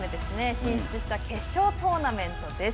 進出した決勝トーナメントです。